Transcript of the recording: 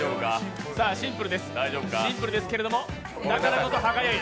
さあ、シンプルですけれども、なかなか歯がゆい。